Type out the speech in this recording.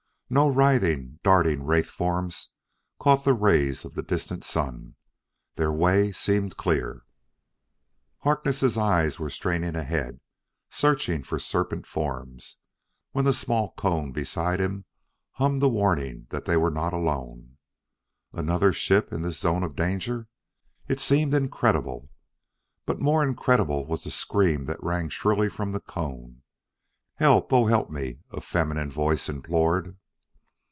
No writhing, darting wraith forms caught the rays of the distant sun. Their way seemed clear. Harkness' eyes were straining ahead, searching for serpent forms, when the small cone beside him hummed a warning that they were not alone. Another ship in this zone of danger? it seemed incredible. But more incredible was the scream that rang shrilly from the cone. "Help! Oh, help me!" a feminine voice implored.